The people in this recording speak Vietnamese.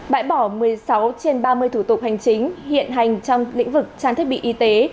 bãi bỏ một mươi sáu trên ba mươi thủ tục hành chính hiện hành trong lĩnh vực trang thiết bị y tế